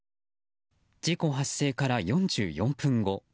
事故発生から４４分後。